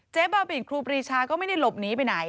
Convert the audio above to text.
บ้าบินครูปรีชาก็ไม่ได้หลบหนีไปไหน